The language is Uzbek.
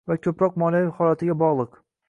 va ko‘proq moliyaviy holatiga bog‘liq.